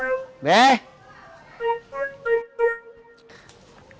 eh dah pahit banget